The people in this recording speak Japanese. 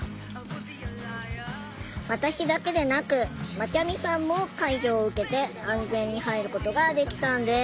私だけでなくまちゃみさんも介助を受けて安全に入ることができたんです。